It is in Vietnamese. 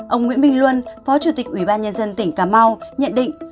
ông nguyễn minh luân phó chủ tịch ủy ban nhân dân tỉnh cà mau nhận định